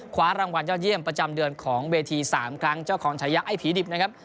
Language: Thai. คว้ารางวัลยอดเยี่ยมประจำเดือนของเวที๓ครั้งเจ้าของชายะไอ้ผีดิบนะครับ